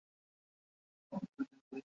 ক্ষমা করে দিন, ভাই।